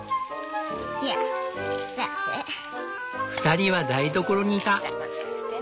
２人は台所にいた。